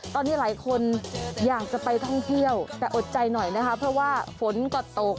ตอนนี้หลายคนอยากจะไปท่องเที่ยวแต่อดใจหน่อยนะคะเพราะว่าฝนก็ตก